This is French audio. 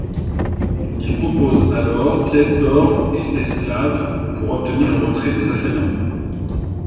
Il propose alors pièces d'or et esclaves pour obtenir le retrait des assaillants.